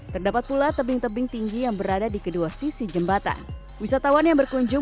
terdapat pula tebing tebing tinggi yang berada di kedua sisi jembatan wisatawan yang berkunjung